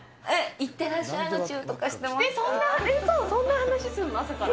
いってらっしゃいのチューとかしてますか？